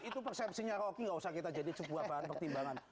itu persepsinya rocky gak usah kita jadi sebuah bahan pertimbangan